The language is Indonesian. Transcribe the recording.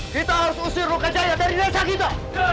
kita harus usir roka jaya dari desa kita